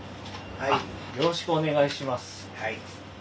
はい。